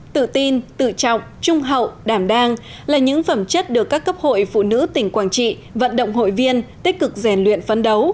tự tin tự trọng trung hậu đảm đang là những phẩm chất được các cấp hội phụ nữ tỉnh quảng trị vận động hội viên tích cực rèn luyện phấn đấu